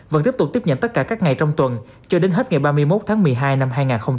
vẫn tiếp tục tiếp nhận tất cả các ngày trong tuần cho đến hết ngày ba mươi một tháng một mươi hai năm hai nghìn hai mươi